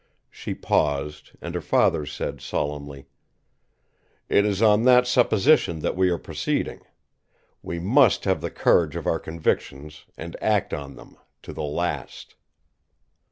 She paused, and her father said solemnly: "It is on that supposition that we are proceeding. We must have the courage of our convictions, and act on them—to the last!"